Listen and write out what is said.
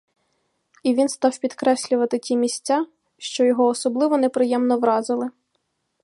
І він став підкреслювати ті місця, що його особливо неприємно вразили.